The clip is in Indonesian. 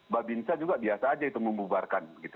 babinsa juga biasa aja itu membubarkan